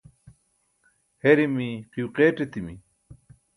herimi, qiyo qeeṭ etimi